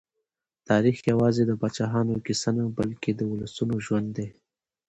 تاریخ یوازې د پاچاهانو کیسه نه، بلکې د ولسونو ژوند دی.